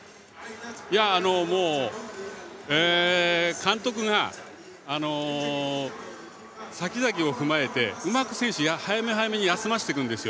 監督がさきざきを踏まえてうまく選手を早め早めに休ませていくんですよ。